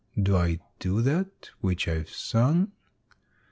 Do I do that which I've sung?